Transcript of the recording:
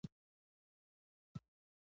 خصوصي ښوونځي او پوهنتونونه شته